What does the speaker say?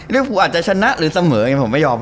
ลิ้วผูอาจจะชนะหรือเสมอเนี้ยผมไม่ยอม